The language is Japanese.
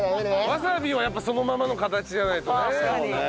わさびはやっぱそのままの形じゃないとね。